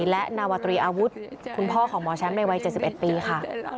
และนาวตรีอาวุธคุณพ่อของหมอแชมป์ในวัย๗๑ปีค่ะ